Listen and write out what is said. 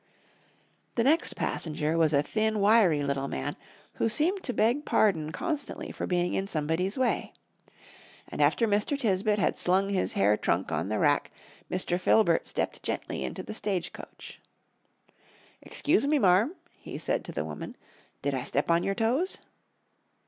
The next passenger was a thin, wiry little man, who seemed to beg pardon constantly for being in somebody's way. And after Mr. Tisbett had slung his hair trunk on the rack, Mr. Filbert stepped gently into the stage coach. "Excuse me, Marm," he said to the woman. "Did I step on your toes?"